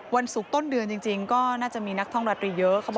วันศุกร์ต้นเดือนจริงก็น่าจะมีนักท่องรัฐไปเยอะ